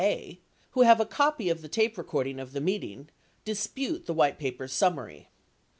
a), who have a copy of the tape recording of the meeting, 90 dispute the White Paper's summary.